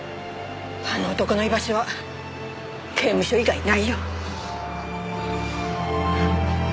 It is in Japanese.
あの男の居場所は刑務所以外ないよ。